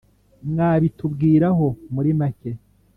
mwabitubwiraho muri make